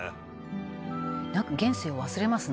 「なんか現世を忘れますな」